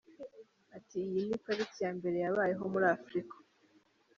Ati “Iyi ni pariki ya mbere yabayeho muri Afurika.